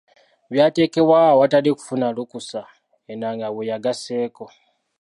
'Byateekebwawo awatali kufuna lukusa.” Ennanga bwe yagasseeko.